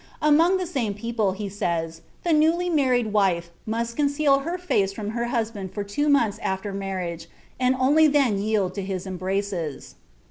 Among the same people, he says, the newly married wife must conceal her face from her husband for two months after marriage, and only then yield to his embraces.